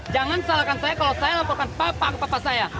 jangan salahkan saya kalau saya laporkan bapak ke papa saya